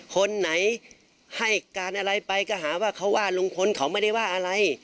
คนไหนให้การอะไรไปก็หาว่าเขาว่าลุงพลเขาไม่ได้ว่าอะไร